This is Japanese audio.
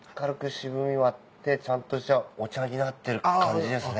ちゃんとしたお茶になってる感じですね。